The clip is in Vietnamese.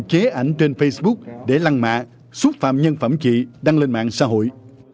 chế ảnh trên facebook để lăng mạ xúc phạm nhân phẩm chị đăng lên mạng xã hội